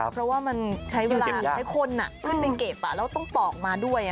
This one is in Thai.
เพราะว่ามันใช้เวลาใช้คนขึ้นไปเก็บแล้วต้องตอกมาด้วย